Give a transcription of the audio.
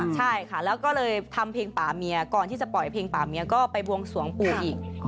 ใช่ค่ะแล้วก็เลยทำเพลงป่าเมียก่อนที่จะปล่อยเพลงป่าเมียก็ไปบวงสวงปู่อีก